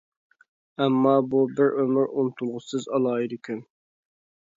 ئەمما، بۇ بىر ئۆمۈر ئۇنتۇلغۇسىز ئالاھىدە كۈن.